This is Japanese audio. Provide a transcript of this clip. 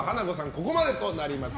ここまでとなります。